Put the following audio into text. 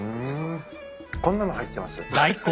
こんなの入ってます。